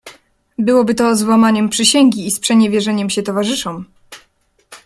"Byłoby to złamaniem przysięgi i sprzeniewierzeniem się towarzyszom."